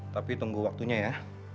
tapi tunggu waktunya ya